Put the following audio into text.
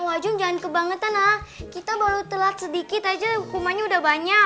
wajum jangan kebangetan ah kita baru telat sedikit aja hukumannya udah banyak